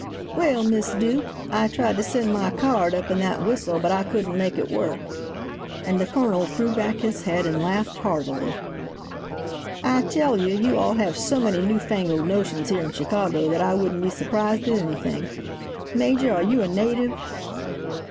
"Well, Miss Duke, I tried to send my card up in that whistle, but I couldn't make it work," and the Colonel threw back his head and laughed heartily. "I tell you, you all have so many new fangled notions here in Chicago that I wouldn't be surprised at anything. Major, are you a native?"